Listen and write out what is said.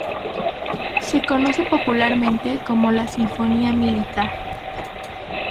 Se conoce popularmente como la Sinfonía Militar.